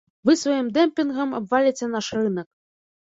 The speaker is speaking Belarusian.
Вы сваім дэмпінгам абваліце наш рынак.